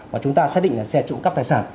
mà chúng ta xác định là xe trụ cắp tài sản